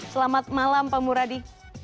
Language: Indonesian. selamat malam pak muradi